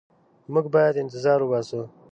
موږ باید انتظار وباسو.